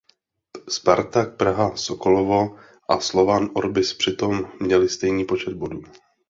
Spartak Praha Sokolovo a Slovan Orbis přitom měly stejný počet bodů.